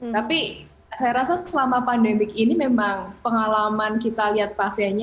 tapi saya rasa selama pandemi ini memang pengalaman kita lihat pasiennya